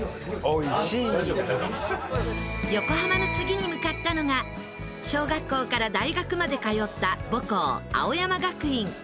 横浜の次に向かったのが小学校から大学まで通った母校青山学院。